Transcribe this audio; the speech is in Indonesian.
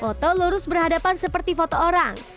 foto lurus berhadapan seperti foto orang